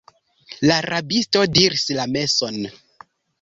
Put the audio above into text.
La rabisto diris la meson!